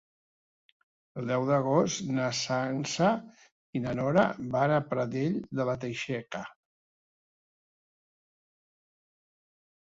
El deu d'agost na Sança i na Nora van a Pradell de la Teixeta.